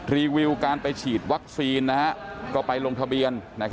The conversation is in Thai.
รีวิวการไปฉีดวัคซีนก็ไปลงทะเบียน